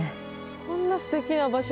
こんなすてきな場所